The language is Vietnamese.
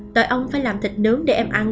tội ông phải làm thịt nướng để em ăn